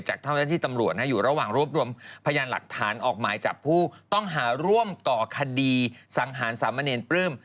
เจ้าหน้าที่ตำรวจอยู่ระหว่างรวบรวมพยานหลักฐานออกหมายจับผู้ต้องหาร่วมก่อคดีสังหารสามเณรปลื้ม